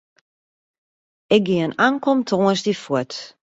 Ik gean ankom tongersdei fuort.